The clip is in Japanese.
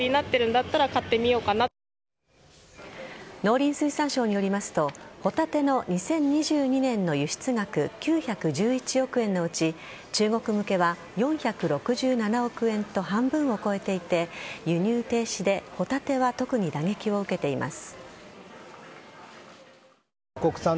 農林水産省によりますとホタテの２０２２年の輸出額９１１億円のうち中国向けは４６７億円と半分を超えていて輸入停止でホタテは特に打撃を受けています。